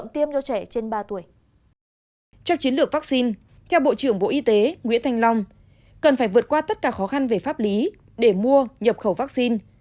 trong chiến lược vaccine theo bộ trưởng bộ y tế nguyễn thanh long cần phải vượt qua tất cả khó khăn về pháp lý để mua nhập khẩu vaccine